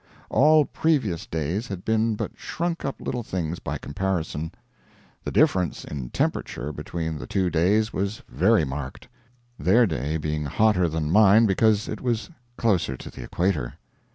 All previous days had been but shrunk up little things by comparison. The difference in temperature between the two days was very marked, their day being hotter than mine because it was closer to the equator.